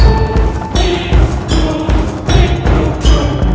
anda akan mengabulkan